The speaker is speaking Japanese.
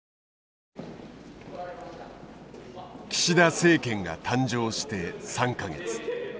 岸田政権が誕生して３か月。